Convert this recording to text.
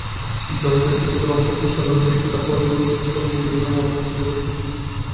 জগতের একটি ক্ষুদ্র অংশ খ্রীষ্টধর্মে দীক্ষিত হওয়ার পূর্বে খ্রীষ্টধর্ম বিভিন্ন মতবাদে বিভক্ত ছিল।